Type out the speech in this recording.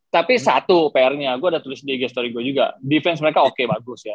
tapi satu pr nya gue ada tulis di gestory gue juga defense mereka oke bagus ya